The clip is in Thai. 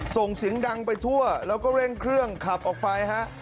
ส่งเสียงดังไปทั่วแล้วก็เร่งเครื่องขับออกไปฮะ